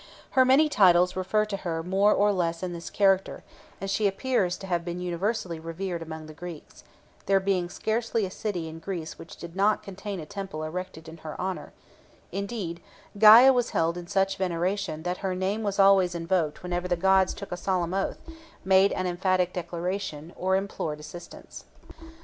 Her many titles refer to her more or less in this character, and she appears to have been universally revered among the Greeks, there being scarcely a city in Greece which did not contain a temple erected in her honour; indeed Gæa was held in such veneration that her name was always invoked whenever the gods took a solemn oath, made an emphatic declaration, or implored assistance.